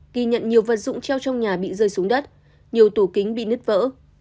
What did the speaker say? ghi nhận nhiều vật dụng treo trong nhà bị rơi xuống đất nhiều tủ kính bị nứt vỡ